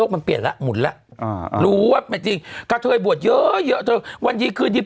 ผมพูดผิดขอโทษทีนี่